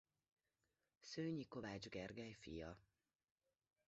Szőnyi Kovács Gergely fia.